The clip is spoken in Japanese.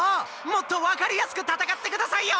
もっと分かりやすくたたかってくださいよ！